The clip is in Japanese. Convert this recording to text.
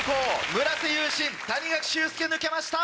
村瀬勇信谷垣柊輔抜けました！